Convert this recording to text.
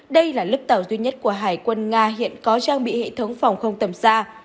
đây là lúc tàu duy nhất của hải quân nga hiện có trang bị hệ thống phòng không tầm xa